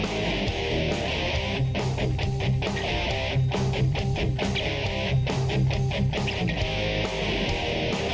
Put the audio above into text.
ฟ้าย